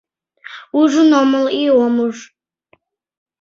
Ужын омыл, и ом уж